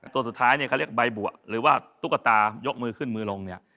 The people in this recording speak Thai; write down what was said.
ตัวสุดท้ายเนี่ยเขาเรียกใบบัวหรือว่าตุ๊กตายกมือขึ้นมือลงเนี่ย